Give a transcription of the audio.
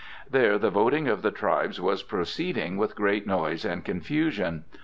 There the voting of the tribes was proceeding with great noise and confusion.